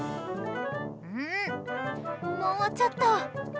うーん、もうちょっと。